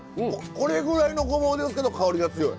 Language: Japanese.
これぐらいのごぼうですけど香りが強い。